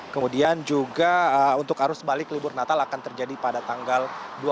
kemudian juga untuk arus balik libur natal akan terjadi pada tanggal dua puluh